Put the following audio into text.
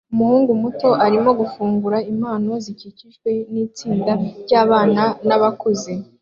Umuhungu muto arimo gufungura impano zikikijwe nitsinda ryabana nabakuze